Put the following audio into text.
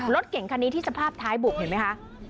รถเก่งคันนี้ที่สภาพท้ายบุบเห็นไหมคะ